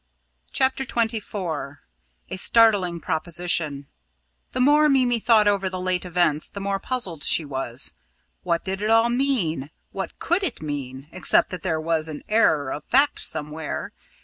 CHAPTER XXIV A STARTLING PROPOSITION The more Mimi thought over the late events, the more puzzled she was. What did it all mean what could it mean, except that there was an error of fact somewhere.